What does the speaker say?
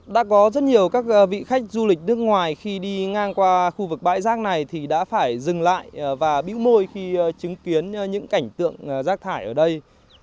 đã có rất nhiều các vị khách du lịch nước ngoài khi đi ngang qua khu vực bãi rác này thì đã phải dừng lại và bĩu môi khi chứng kiến những cảnh tượng rác thải ở đây